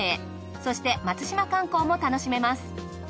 そして松島観光も楽しめます。